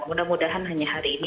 mudah mudahan hanya hari ini